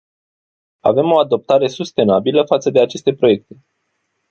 Avem o adoptare sustenabilă față de aceste proiecte.